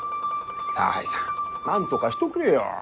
差配さんなんとかしとくれよ。